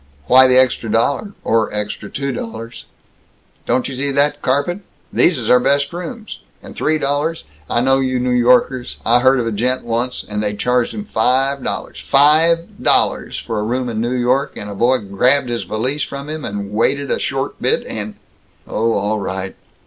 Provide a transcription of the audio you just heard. "Why the extra dollar or extra two dollars?" "Don't you see that carpet? These is our best rooms. And three dollars I know you New Yorkers. I heard of a gent once, and they charged him five dollars five dol lars! for a room in New York, and a boy grabbed his valise from him and wanted a short bit and " "Oh all right!